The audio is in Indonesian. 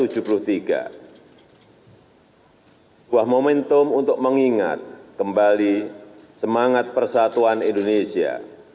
sebuah momentum untuk mengingat kembali semangat persatuan indonesia